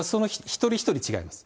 一人一人違います。